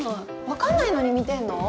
わかんないのに見てんの？